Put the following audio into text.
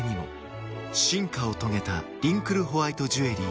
進化を遂げたリンクルホワイトジュエリー。